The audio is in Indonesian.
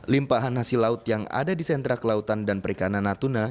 limpahan hasil laut yang ada di sentra kelautan dan perikanan natuna